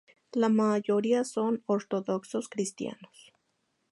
La mayoría son ortodoxos cristianos.